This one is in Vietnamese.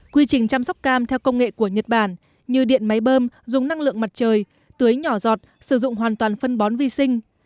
quy trình chăm sóc cam theo công nghệ của nhật bản như điện máy bơm dùng năng lượng mặt trời tưới nhỏ giọt sử dụng hoàn toàn phân bón vi sinh